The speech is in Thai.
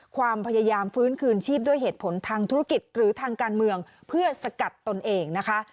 ความพยายามฟื้นคืนชีพด้วยเหตุผลทางธุรกิจหรือทางการเมืองเพื่อสกัดตนเองนะคะ